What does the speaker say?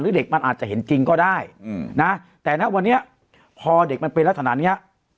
เด็กมันอาจจะเห็นจริงก็ได้นะแต่ณวันนี้พอเด็กมันเป็นลักษณะเนี้ย